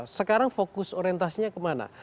sekarang fokus orientasinya kemana